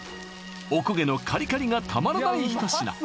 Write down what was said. おこげのカリカリがたまらない一品